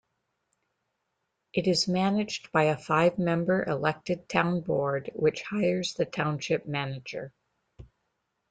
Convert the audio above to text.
It is managed by a five-member elected town board, which hires the township manager.